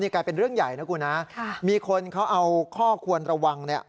นี่คือเป็นเรื่องใหญ่นะครับมีคนเค้าเอาข้อควรระวัง